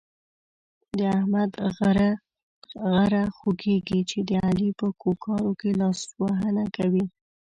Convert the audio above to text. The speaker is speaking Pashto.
د احمد غره خوږېږي چې د علي په کارو کې لاسوهنه کوي.